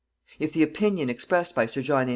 If the opinion expressed by Sir John A.